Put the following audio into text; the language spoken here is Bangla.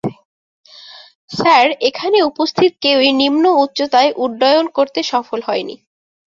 স্যার, এখানে উপস্থিত কেউই নিম্ন উচ্চতায় উড্ডয়ন করতে সফল হয়নি।